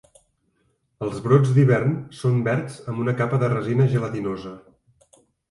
Els brots d"hivern són verds amb una capa de resina gelatinosa.